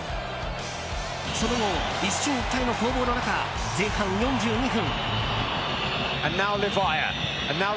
その後、一進一退の攻防の中前半４２分。